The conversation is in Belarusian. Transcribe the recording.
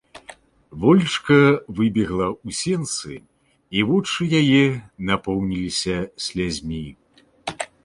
Волечка выбегла ў сенцы, і вочы яе напоўніліся слязьмі.